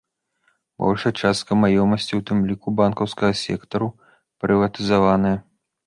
Большая частка маёмасці, у тым ліку, банкаўскага сектару, прыватызаваная.